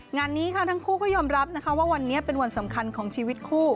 งานนี้ค่ะทั้งคู่ก็ยอมรับนะคะว่าวันนี้เป็นวันสำคัญของชีวิตคู่